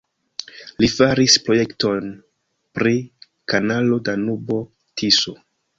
Li faris projekton pri kanalo Danubo-Tiso.